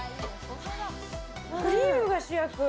クリームが主役。